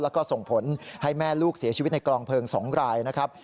แล้วก็ส่งผลให้แม่ลูกเสียชีวิตในกลองเพลิง๒รายนะครับ